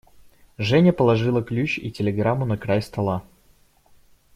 Женя положила ключ и телеграмму на край стола.